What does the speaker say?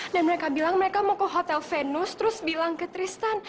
dan mereka bilang mereka mau ke hotel venus terus bilang ke tristan